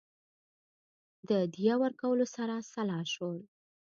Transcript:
د دیه ورکولو سره سلا شول.